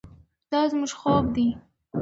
دا زموږ خوب دی.